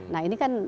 nah ini kan